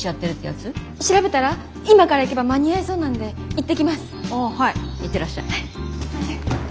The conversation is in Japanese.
行ってらっしゃい。